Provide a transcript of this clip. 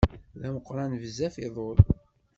D ameqqran bezzaf iḍul.